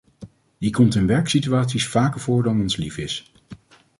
Die komt in werksituaties vaker voor dan ons lief is.